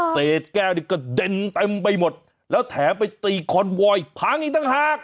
เศษแก้วนี่กระเด็นเต็มไปหมดแล้วแถมไปตีคอนวอยพังอีกต่างหาก